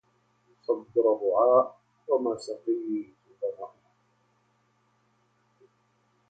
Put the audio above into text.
صدر الرعاء وما سقيت ظمائي